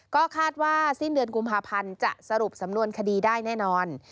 ก็คาดว่าสิ้นเดือนกุมภาพันธ์จะสรุปสำนวนคดีได้แน่นอน